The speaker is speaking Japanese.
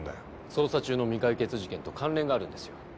捜査中の未解決事件と関連があるんですよ。